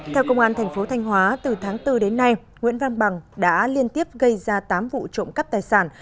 theo công an thành phố thanh hóa từ tháng bốn đến nay nguyễn văn bằng đã liên tiếp gây ra tám vụ trộm cắp tài sản